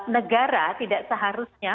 negara tidak seharusnya